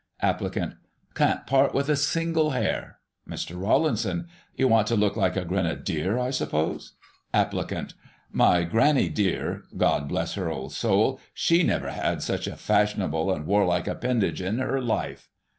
Applicant: Can't part with a single hair. Mr. Rawlinson: You want to look like a grenadier, I suppose .'* Applicant : My granny dear (God bless her old soul !), she never had such a fashionable and warlike appendage in her life.